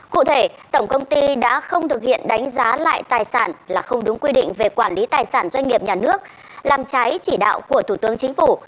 cụ thể tổng công ty đã không thực hiện đánh giá lại tài sản là không đúng quy định về quản lý tài sản doanh nghiệp nhà nước làm trái chỉ đạo của thủ tướng chính phủ